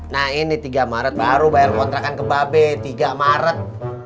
nah ini tiga maret baru bayar kontrakan ke babe tiga maret